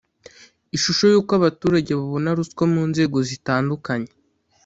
ishusho y’uko abaturage babona ruswa mu nzego zitandukanye